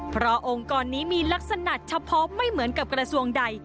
เพราะองค์กรนี้มีลักษณะเฉพาะไม่เหมือนกับกระทรวงใด